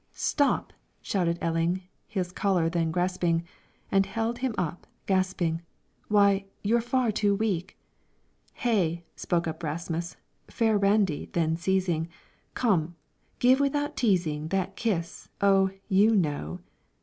"Stop!" shouted Elling, His collar then grasping, And held him up, gasping: "Why, you're far too weak!" "Hey!" spoke up Rasmus, Fair Randi then seizing; "Come, give without teasing That kiss. Oh! you know!"